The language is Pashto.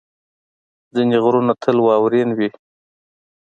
ځینې غرونه تل واورین وي.